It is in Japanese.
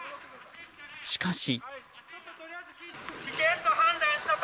しかし。